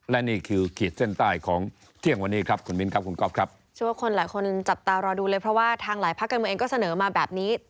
แต่ก่อนหน้านี้แล้วนะครับว่า